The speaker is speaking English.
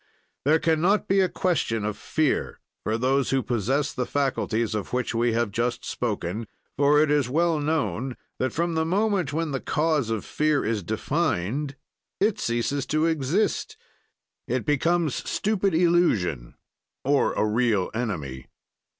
"There can not be a question of fear for those who possess the faculties of which we have just spoken, for it is well known that, from the moment when the cause of fear is defined it ceases to exist; it becomes stupid illusion or a real enemy.